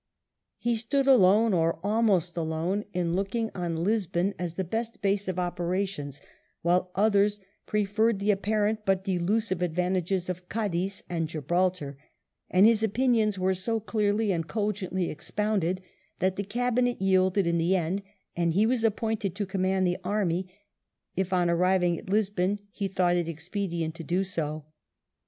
He stood alone, or almost alone, in looking on Lisbon as the best base of operations, while others preferred the apparent but delusive advantages of Cadiz and Gibraltar; and his opinions were so clearly and cogently expounded, that the Cabinet yielded in the end, and he was appointed to command the army, if on arriving at Lisbon he thought it expedient to do so.